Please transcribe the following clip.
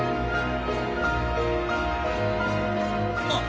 あっ！